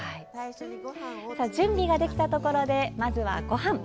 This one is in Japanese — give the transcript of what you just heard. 準備ができたところでまずは、ごはん。